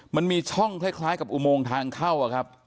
มันมีช่องคล้ายกับอุโมงทางเข้าอะครับ